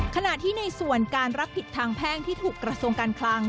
ขณะที่ในส่วนการรับผิดทางแพ่งที่ถูกกระทรวงการคลัง